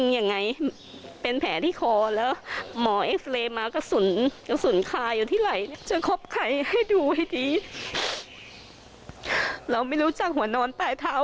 โหนสานแต่หลานนั่นแหละ